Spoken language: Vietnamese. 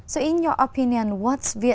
tôi nhớ huế